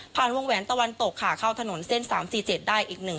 พันวงแหวนตะวันตกค่ะเข้าถนนเส้นสามสี่เจ็ดได้อีกหนึ่ง